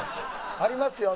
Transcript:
「ありますよ